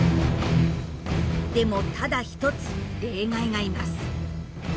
でもただ一つ例外がいます。